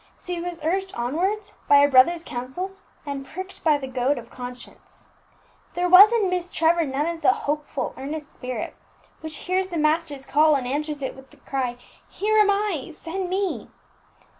She was urged onwards by a brother's counsels, and pricked by the goad of conscience. There was in Miss Trevor none of the hopeful, earnest spirit which hears the Master's call, and answers it with the cry, "Here am I; send me!"